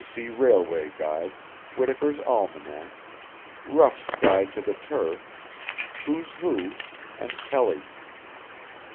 B. C. Railway Guide, Whitakers Almanac, Ruffs' Guide to the Turf, Who's Who, and Kelly.